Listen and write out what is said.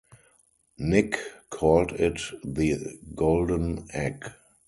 Nick called it the 'golden egg'.